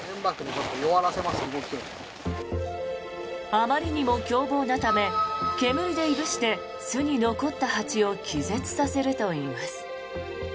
あまりにも凶暴なため煙でいぶして巣に残った蜂を気絶させるといいます。